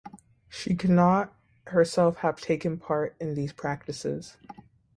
She could not herself have taken part in these practices.